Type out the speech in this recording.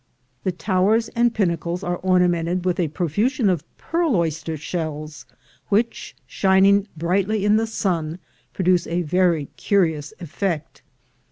The towers and pinnacles are ornamented with a profusion of pearl oyster shells, which, shining brightly in the sun, produce a very curious effect.